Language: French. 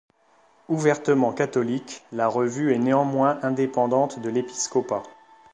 Ouvertement catholique, la revue est néanmoins indépendante de l'épiscopat.